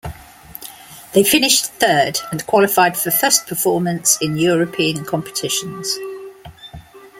They finished third and qualified for first performance in European competitions.